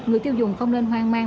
người tiêu dùng không nên hoang mang